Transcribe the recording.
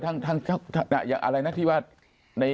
ทำทั้งอย่าอะไรเอาอย่าง